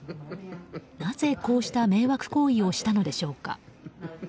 なぜ、こうした迷惑行為をしたのでしょうか。